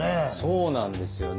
そうなんですよね。